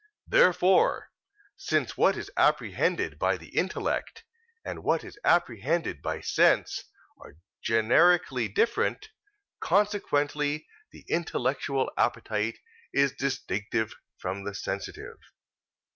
Therefore, since what is apprehended by the intellect and what is apprehended by sense are generically different; consequently, the intellectual appetite is distinct from the sensitive.